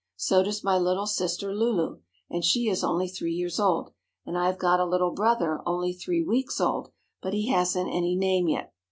So does my little sister Lulu, and she is only three years old, and I have got a little brother only three weeks old, but he hasn't any name yet.